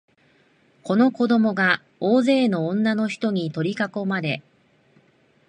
その子供が大勢の女のひとに取りかこまれ、